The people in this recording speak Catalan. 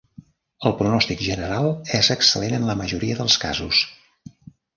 El pronòstic general és excel·lent en la majoria dels casos.